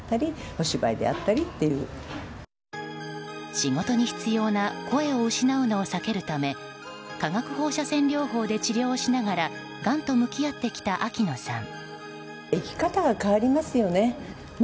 仕事に必要な声を失うのを避けるため化学放射線療法で治療をしながらがんと向き合ってきた秋野さん。